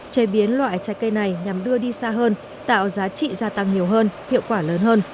chế biến loại trái cây này nhằm đưa đi xa hơn tạo giá trị gia tăng nhiều hơn hiệu quả lớn hơn